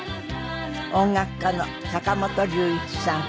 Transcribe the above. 音楽家の坂本龍一さん。